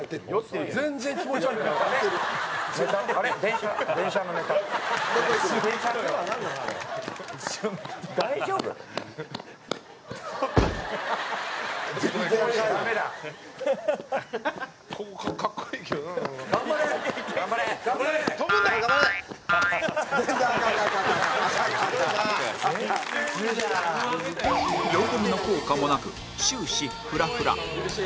酔い止めの効果もなく終始フラフラ